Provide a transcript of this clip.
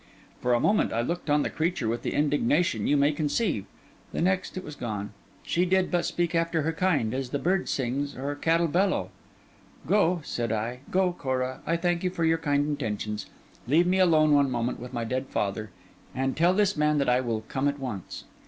For a moment I looked on the creature with the indignation you may conceive; the next, it was gone: she did but speak after her kind, as the bird sings or cattle bellow. 'Go,' said I. 'Go, Cora. I thank you for your kind intentions. Leave me alone one moment with my dead father; and tell this man that I will come at once.